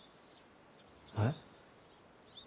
えっ？